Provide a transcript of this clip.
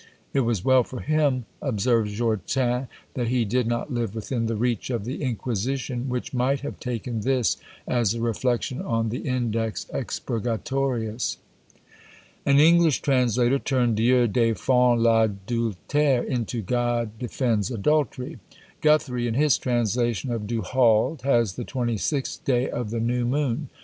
It was well for him, observes Jortin, that he did not live within the reach of the Inquisition, which might have taken this as a reflection on the Index Expurgatorius. An English translator turned "Dieu défend l'adultère" into "God defends adultery." Guthrie, in his translation of Du Halde, has "the twenty sixth day of the new moon."